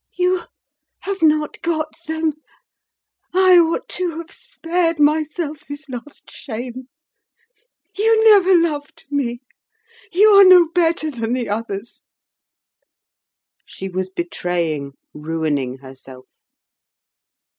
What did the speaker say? "You have not got them! I ought to have spared myself this last shame. You never loved me. You are no better than the others." She was betraying, ruining herself.